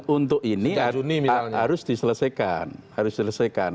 untuk ini harus diselesaikan